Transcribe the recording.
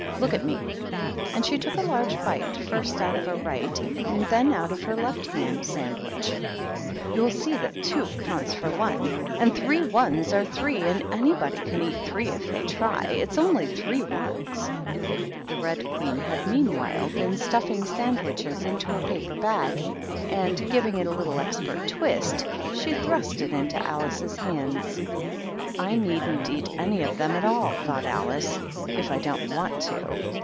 Look at me." And she took a large bite first out of her right and then out of her left hand sandwich. "You'll see that two counts for one, and three ones are three, and any body can eat three if they try. It's only three ones." The Red Queen had meanwhile been stuffing 200 THE KINDEROABTEN. Bandwiches into a paper bag, and, giving it a little expert twist, she thrust it into Alice's hands. "I needn't eat any of them at all," thought AHce, " if I don't want to."